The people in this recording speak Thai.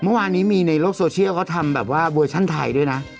เมื่อวานนี้มีในโลกโซเชียลเขาทำแบบว่าเวอร์ชั่นไทยด้วยนะ